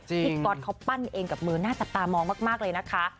พี่ก๊อตเขาปั้นเองกับมือหน้าจับตามองมากเลยนะคะ